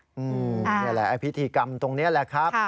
นี่แหละไอ้พิธีกรรมตรงนี้แหละครับ